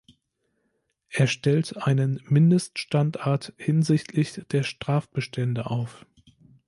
Er stellt einen Mindeststandard hinsichtlich der Strafbestände auf.